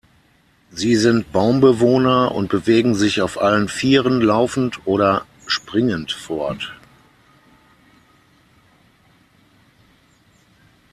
Sie sind Baumbewohner und bewegen sich auf allen vieren laufend oder springend fort.